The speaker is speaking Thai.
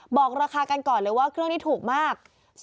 บอกราคากันก่อนเลยว่าเครื่องนี้ถูกมาก